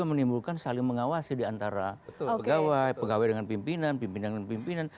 dan itu saling mengawasi diantara pegawai pegawai dengan pimpinan pimpinan dengan pimpinan